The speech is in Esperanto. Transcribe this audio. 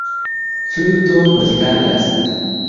Fluto Muzikadas.